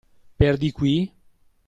Per di qui?